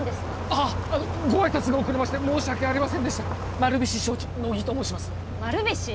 あっご挨拶が遅れまして申し訳ありませんでした丸菱商事乃木と申します丸菱！？